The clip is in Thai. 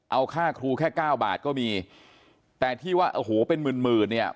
เอาค่าครูแค่เก้าบาทก็มีแต่ที่ว่าโอ้โหเป็นหมื่นหมื่นเนี่ย